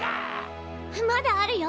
まだあるよ